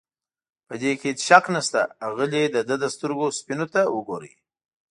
په دې کې هېڅ شک نشته، اغلې د ده د سترګو سپینو ته وګورئ.